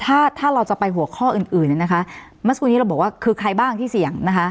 ถ้าถ้าเราจะไปหัวข้ออื่นอื่นเนี่ยนะคะเมื่อสักครู่นี้เราบอกว่าคือใครบ้างที่เสี่ยงนะคะ